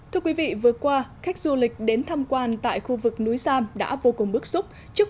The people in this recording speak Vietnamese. thưa quý vị vừa qua khách du lịch đến tham quan tại khu vực núi sam đã vô cùng bức xúc trước